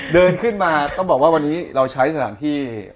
เดินขึ้นมาต้องบอกว่าวันนี้เราใช้สถานที่